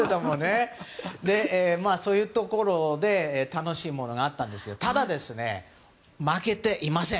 そういうところで楽しいものがあったんですがただ、負けていません。